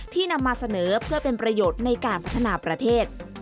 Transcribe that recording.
นำมาเสนอเพื่อเป็นประโยชน์ในการพัฒนาประเทศ